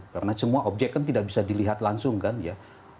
karena semua objek kan tidak bisa dilihat langsung kan ya